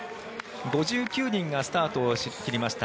５９人がスタートを切りました